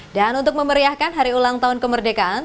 dan untuk memeriahkan hari ulang tahun kemerdekaan